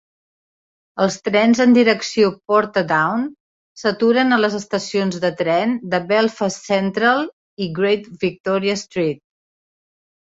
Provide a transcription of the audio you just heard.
Els trens en direcció Portadown s'aturen a les estacions de tren de Belfast Central i Great Victoria Street.